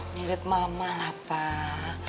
mirip mama lah pak